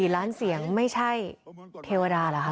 ๔ล้านเสียงไม่ใช่เทวดาเหรอคะ